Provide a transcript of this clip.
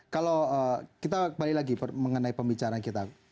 kalau kita kembali lagi mengenai pembicaraan kita